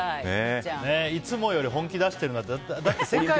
いつもより本気出してるなって。